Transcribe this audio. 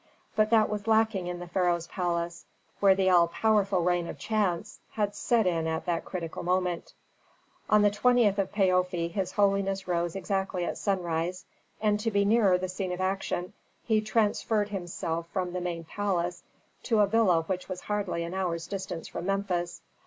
But that was lacking in the pharaoh's palace, where the all powerful reign of chance had set in at that critical moment. On the 20th of Paofi his holiness rose exactly at sunrise, and, to be nearer the scene of action, he transferred himself from the main palace to a villa which was hardly an hour's distance from Memphis.